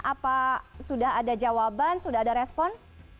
apa sudah ada jawaban sudah ada respon